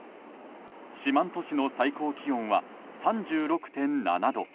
四万十市の最高気温は３６．７度。